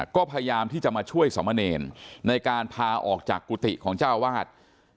ก็พยายามที่จะมาช่วยสมเนรในการพาออกจากกุฏิของเจ้าวาด